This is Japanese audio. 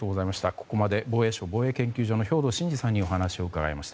ここまで防衛省防衛研究所の兵頭慎治さんにお話を伺いました。